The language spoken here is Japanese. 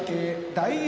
・大栄